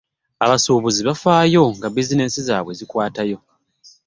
abasuubuzi bafaayo nga bizineesi zaabwe zikwatayo.